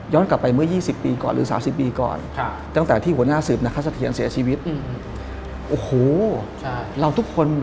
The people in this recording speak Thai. ย้อนกลับไปเมื่อ๒๐ปีก่อนหรือ๓๐ปีก่อน